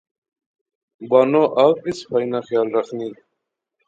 بانو آپ وی صفائی نا خیال رخنی